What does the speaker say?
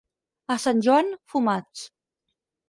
A Sant Joan, fumats.